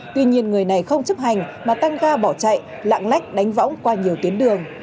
tuy nhiên người này không chấp hành mà tăng ga bỏ chạy lạng lách đánh võng qua nhiều tuyến đường